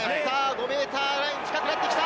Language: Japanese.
５メーターライン、近くなってきた。